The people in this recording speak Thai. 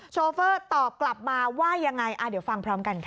โชเฟอร์ตอบกลับมาว่ายังไงเดี๋ยวฟังพร้อมกันค่ะ